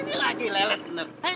ini lagi leleng bener